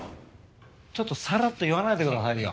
ちょっとさらっと言わないでくださいよ。